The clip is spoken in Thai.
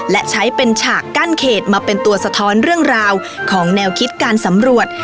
และใช้เป็นฉากกั้นเขตมาเป็นตัวสะท้อนเรื่องราวของแนวคิดการสำรวจ